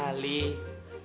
aku kan udah bilang sama kamu